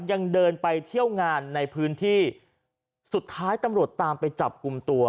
ยังเดินไปเที่ยวงานในพื้นที่สุดท้ายตำรวจตามไปจับกลุ่มตัว